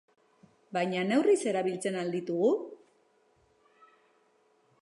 Baina neurriz erabiltzen al ditugu?